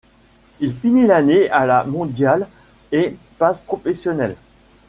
Il finit l'année à la mondiale et passe professionnel.